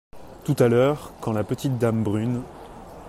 Tout à l’heure, quand la petite dame brune !…